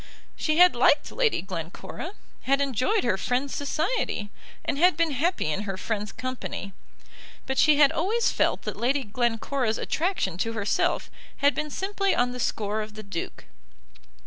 She had liked Lady Glencora, had enjoyed her friend's society, and been happy in her friend's company, but she had always felt that Lady Glencora's attraction to herself had been simply on the score of the Duke.